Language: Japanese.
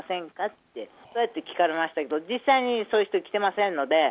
って、そうやって聞かれましたけど、実際にそういう人来てませんので。